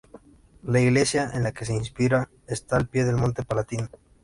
La iglesia en la que se inspira está al pie del monte Palatino.